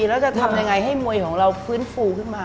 แล้วจะทำยังไงให้มวยของเราฟื้นฟูขึ้นมา